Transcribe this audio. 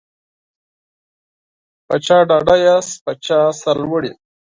په چا ډاډه یاست په چا سرلوړي